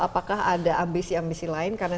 apakah ada ambisi ambisi lain karena